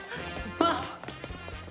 あっ！